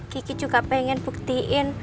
kiki juga pengen buktiin